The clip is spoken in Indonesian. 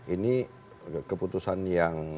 ini keputusan yang